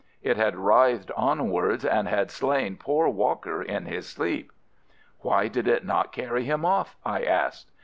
It had writhed onwards and had slain poor Walker in his sleep. "Why did it not carry him off?" I asked.